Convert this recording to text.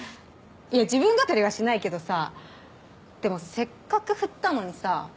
自分語りはしないけどさでもせっかく振ったのにさ